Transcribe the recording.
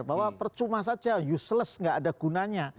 bahwa percuma saja useless nggak ada gunanya